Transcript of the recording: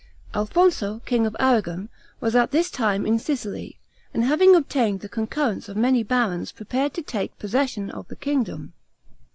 Alfonso, king of Aragon, was at this time in Sicily, and having obtained the concurrence of many barons, prepared to take possession of the kingdom.